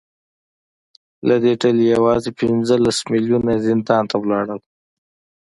له دې ډلې یوازې پنځلس میلیونه یې زندان ته لاړل